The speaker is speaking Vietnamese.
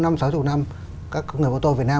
năm sáu chục năm các người ô tô việt nam